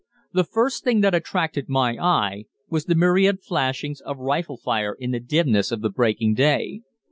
The first thing that attracted my eye was the myriad flashings of rifle fire in the dimness of the breaking day.